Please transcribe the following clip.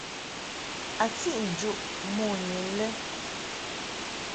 A tiʼ njuʼ mon i lɛ.